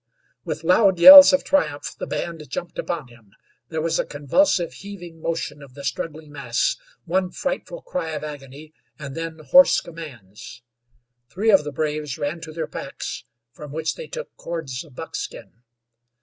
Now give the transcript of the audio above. With loud yells of triumph the band jumped upon him. There was a convulsive, heaving motion of the struggling mass, one frightful cry of agony, and then hoarse commands. Three of the braves ran to their packs, from which they took cords of buckskin.